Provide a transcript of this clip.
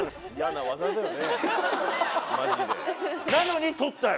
なのに捕ったよ